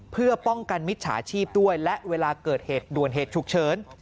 เพื่อป้องกันมิจฉาชีพด้วยและเวลาเกิดเหตุด่วนเหตุฉุกเฉิน